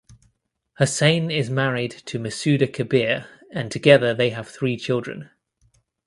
Hossain is married to Masuda Kabir and together they have three children.